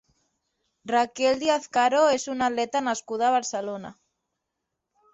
Raquel Diaz Caro és una atleta nascuda a Barcelona.